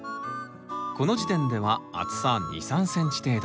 この時点では厚さ２３ｃｍ程度。